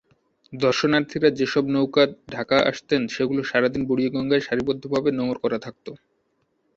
দর্শনার্থীরা যেসব নৌকায় ঢাকা আসতেন সেগুলো সারাদিন বুড়িগঙ্গায় সারিবদ্ধভাবে নোঙ্গর করা থাকত।